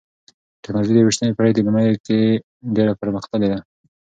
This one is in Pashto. ټکنالوژي د یوویشتمې پېړۍ په لومړیو کې ډېره پرمختللې ده.